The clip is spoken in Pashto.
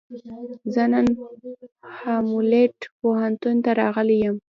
زه نن هامبولټ پوهنتون ته راغلی یم.